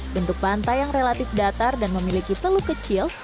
bentuk pantai yang relatif datar dan memiliki teluk kecil